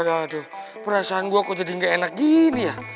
aduh perasaan gue kok jadi gak enak gini ya